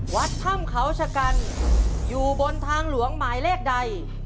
วัดถ้ำเขาชะกันอยู่บนทางหลวงหมายเลขใด